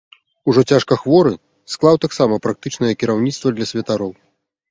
Ужо цяжка хворы, склаў таксама практычнае кіраўніцтва для святароў.